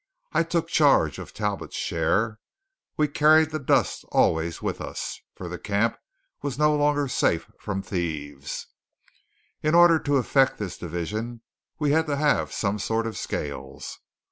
I took charge of Talbot's share. We carried the dust always with us; for the camp was no longer safe from thieves. In order to effect this division we had to have some sort of scales.